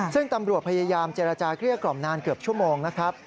ซึ่งตำรวจพยายามเจรจาเกลี้ยกล่อมนานเกือบชั่วโมงนะครับ